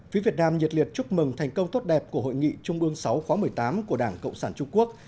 phía việt nam nhiệt liệt chúc mừng thành công tốt đẹp của hội nghị trung ương sáu khóa một mươi tám của đảng cộng sản trung quốc